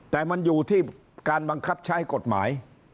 แต่มันอยู่ที่การบังคับใช้กฎหมาย